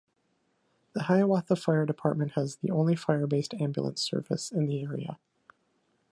The Hiawatha Fire Department has the only fire-based ambulance service in the area.